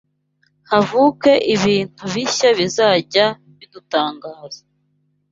havuke ibintu bishya bizajya bidutangaza